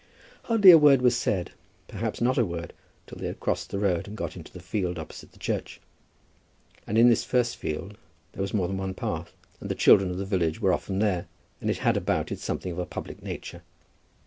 Hardly a word was said, perhaps not a word, till they had crossed the road and got into the field opposite to the church. And in this first field there was more than one path, and the children of the village were often there, and it had about it something of a public nature.